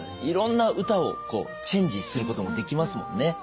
いろんな歌をチェンジすることもできますもんね。